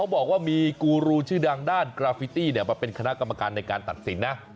บอกว่ามีกูรูชื่อดังด้านกราฟิตี้มาเป็นคณะกรรมการในการตัดสินนะ